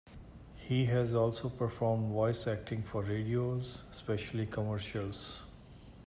He has also performed voice acting for radio, especially commercials.